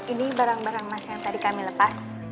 ini barang barang emas yang tadi kami lepas